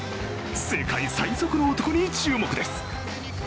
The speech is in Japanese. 世界最速の男に注目です。